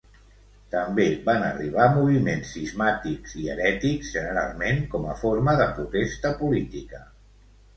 També van arribar moviments cismàtics i herètics, generalment com a forma de protesta política.